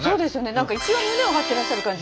何か一番胸を張ってらっしゃる感じしますよ。